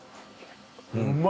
うまい。